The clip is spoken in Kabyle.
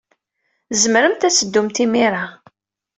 Tzemremt ad teddumt imir-a.